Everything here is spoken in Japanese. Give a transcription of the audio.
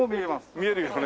見えるよね。